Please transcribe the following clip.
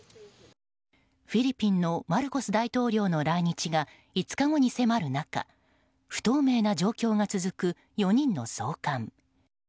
フィリピンのマルコス大統領の来日が５日後に迫る中不透明な状況が続く４人の送還。